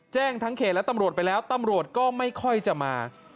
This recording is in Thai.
แจ้งทั้งเขตและตำรวจไปแล้วตำรวจก็ไม่ค่อยจะมา